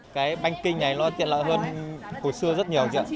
cái banh kinh này nó tiện lợi hơn cuộc xưa rất nhiều